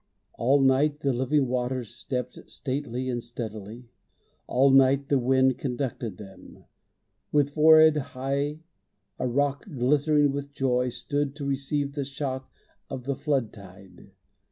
All night the living waters stepped Stately and steadily. All night the wind Conducted them. With forehead high, a rock, Glittering with joy, stood to receive the shock Of the flood tide.